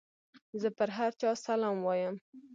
زه پر هر چا سلام وايم.